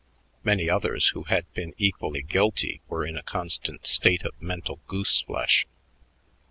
Many others who had been equally guilty were in a constant state of mental goose flesh.